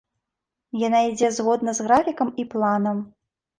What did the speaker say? Яна ідзе згодна з графікам і планам.